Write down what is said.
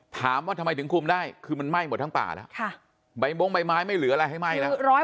ถามว่าทำไมถึงคุมได้คือมันไหม้หมดทั้งป่าแล้วใบมงใบไม้ไม่เหลืออะไรให้ไหม้แล้ว